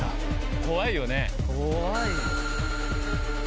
怖いよね。